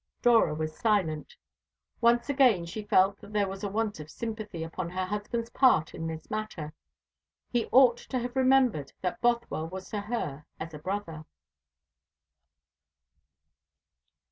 Dora was silent. Once again she felt that there was a want of sympathy upon her husband's part in this matter. He ought to have remembered that Bothwell was to her as a brother.